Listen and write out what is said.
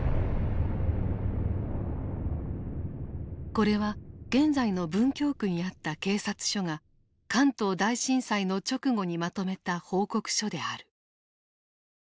これは現在の文京区にあった警察署が関東大震災の直後にまとめた報告書である。